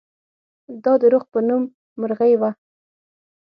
دا د رخ په نوم مرغۍ وه.